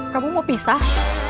kamu mau pisah